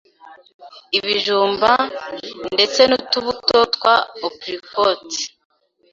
ibijumba, ndetse n’utubuto twa apricots